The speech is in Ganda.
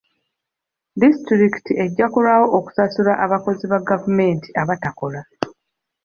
Disitulikiti ejja kulwawo okusasula abakozi ba gavumenti abatakola.